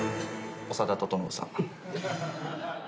長田整さん。